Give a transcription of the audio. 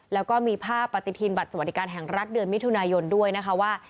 แล้วก็มีภาพปฏิทินบัตรสวัสดิการแห่งรัฐเดือนมิถุนายนด้วยนะคะว่า